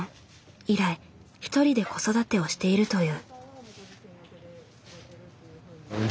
以来一人で子育てをしているという。